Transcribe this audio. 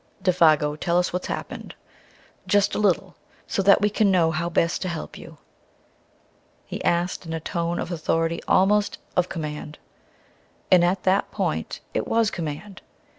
"Défago, tell us what's happened just a little, so that we can know how best to help you?" he asked in a tone of authority, almost of command. And at that point, it was command.